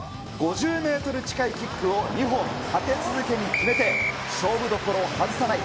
５０メートル近いキックを２本、立て続けに決めて、勝負どころを外さない。